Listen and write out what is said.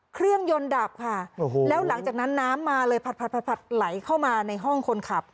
เครื่องยนต์ดับค่ะแล้วหลังจากนั้นน้ำมาเลยผัดไหลเข้ามาในห้องคนขับ